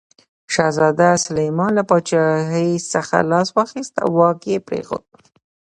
شهزاده سلیمان له پاچاهي څخه لاس واخیست او واک یې پرېښود.